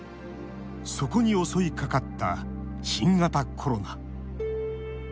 そこに襲いかかった新型コロナ。